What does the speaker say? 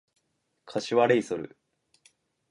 柏レイソル